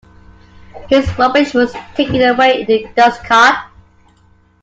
His rubbish was taken away in the dustcart